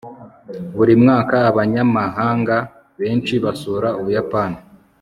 buri mwaka abanyamahanga benshi basura ubuyapani